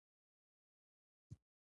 انځور د مصنوعي او لمر رڼا انعکاس ښيي.